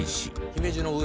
姫路の上。